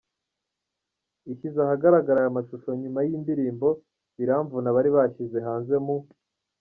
ishyize ahagaragara aya mashusho, nyuma yindirimbo Biramvuna bari bashyize hanze mu.